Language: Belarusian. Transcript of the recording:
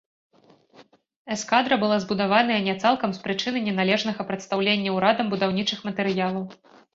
Эскадра была збудаваная не цалкам з прычыны неналежнага прадастаўлення урадам будаўнічых матэрыялаў.